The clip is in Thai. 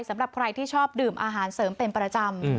สำหรับใครที่ชอบดื่มอาหารเสริมเป็นประจำ